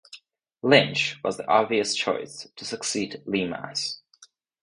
Lynch was the obvious choice to succeed Lemass.